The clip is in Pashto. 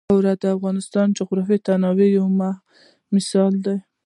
واوره د افغانستان د جغرافیوي تنوع یو مثال دی.